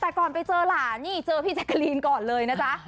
แต่ก่อนไปเจอหลานนี่เจอพี่แจ๊กกะลีนก่อนเลยนะจ๊ะ